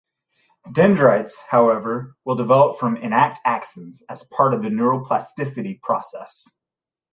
Dendrites, however, will develop from intact axons, as part of the neuroplasticity process.